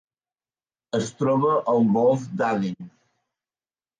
Es troba al Golf d'Aden.